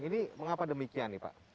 ini mengapa demikian nih pak